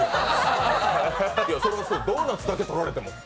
ドーナツだけ取られても。